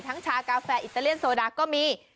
ชากาแฟอิตาเลียนโซดาก็มี